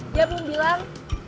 dia belum bilang